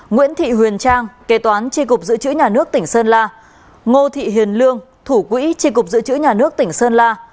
nguyễn thị huyền trang kế toán tri cục giữ chữ nhà nước tỉnh sơn la ngô thị hiền lương thủ quỹ tri cục giữ chữ nhà nước tỉnh sơn la